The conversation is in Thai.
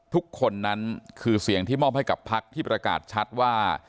ทุกคนนั้นคือเสียงที่มอบให้กับพักที่ประกาศชัดว่า